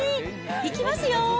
いきますよ。